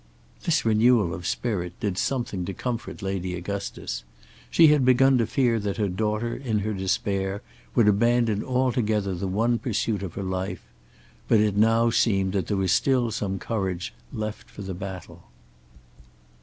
This renewal of spirit did something to comfort Lady Augustus. She had begun to fear that her daughter, in her despair, would abandon altogether the one pursuit of her life; but it now seemed that there was still some courage left for the battle.